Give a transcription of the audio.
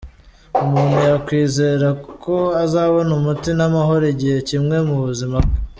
Umuntu yakwizera ko azabona umuti n’amahoro, igihe kimwe mu buzima bwe.